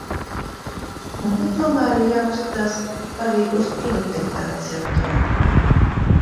Un te tomēr ir jāpaskatās arī uz produktivitātes jautājumu.